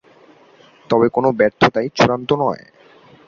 তবে কোনো ব্যর্থতাই চূড়ান্ত নয়।